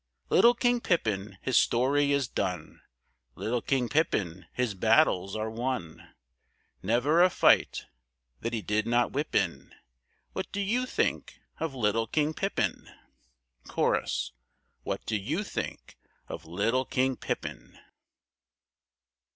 Little King Pippin, his story is done; Little King Pippin, his battles are won. Never a fight that he did not whip in! What do you think of little King Pippin? Cho.—What do you think of little King Pippin?